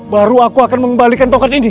baru aku akan mengembalikan token ini